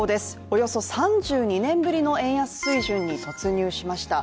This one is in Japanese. およそ３２年ぶりの円安水準に突入しました。